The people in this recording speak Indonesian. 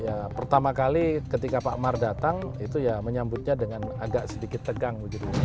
ya pertama kali ketika pak mar datang itu ya menyambutnya dengan agak sedikit tegang